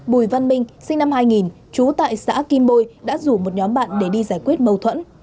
bùi văn minh sinh năm hai nghìn trú tại xã kim bôi đã rủ một nhóm bạn để đi giải quyết mâu thuẫn